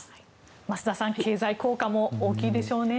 増田さん経済効果も大きいでしょうね。